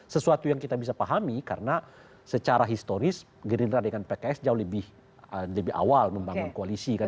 sesuatu yang kita bisa pahami karena secara historis gerindra dengan pks jauh lebih awal membangun koalisi kan